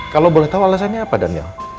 kalau boleh tahu alasannya apa daniel